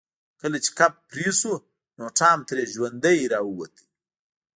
کله چې کب پرې شو نو ټام ترې ژوندی راووت.